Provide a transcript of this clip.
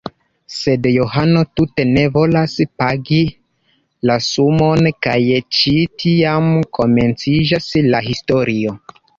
Sed Johano tute ne volas pagi la sumon kaj ĉi tiam komenciĝas la historio.